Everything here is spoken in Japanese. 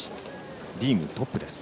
リーグトップです。